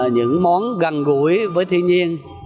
những món gần gũi với thiên nhiên